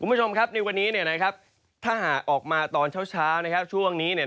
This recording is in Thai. คุณผู้ชมครับในวันนี้ถ้าหากออกมาตอนเช้าช่วงนี้